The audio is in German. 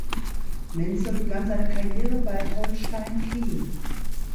Menzel begann seine Karriere bei Holstein Kiel.